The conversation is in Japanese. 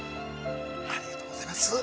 ◆ありがとうございます。